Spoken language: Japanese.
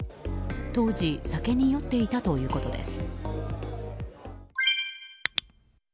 当時、酒に酔っていたということです。